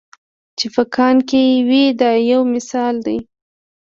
چې په کان کې وي دا یو مثال دی.